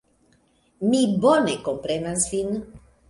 Mi bone komprenas vin.